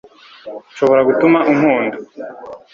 nshobora gutuma unkunda